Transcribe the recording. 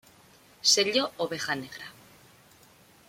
Sello Oveja Negra.